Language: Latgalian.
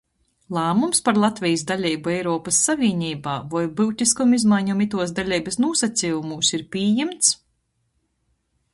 Lāmums par Latvejis daleibu Eiropys Savīneibā voi byutiskom izmaiņom ituos daleibys nūsacejumūs ir pījimts,